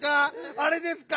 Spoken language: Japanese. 「あれ」ですか？